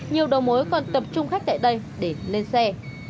nhiều đầu mối còn tập trung khách tại đây để lên xe